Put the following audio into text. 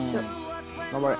頑張れ。